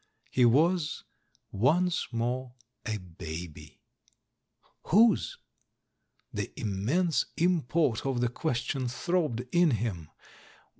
He was once more a baby. Whose ? The im mense import of the question throbbed in him.